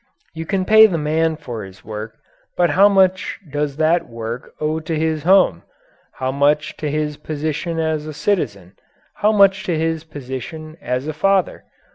You pay the man for his work, but how much does that work owe to his home? How much to his position as a citizen? How much to his position as a father?